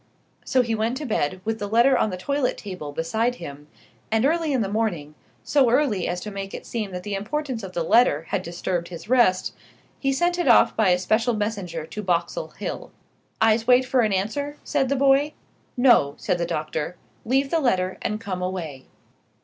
So he went to bed, with the letter on the toilette table beside him; and early in the morning so early as to make it seem that the importance of the letter had disturbed his rest he sent it off by a special messenger to Boxall Hill. "I'se wait for an answer?" said the boy. "No," said the doctor: "leave the letter, and come away."